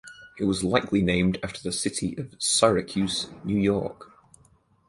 It was likely named after the city of Syracuse, New York.